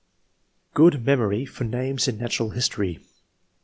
Goo,d memory for names in natural history.